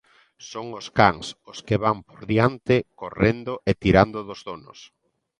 Son os cans os que van por diante correndo e tirando dos donos.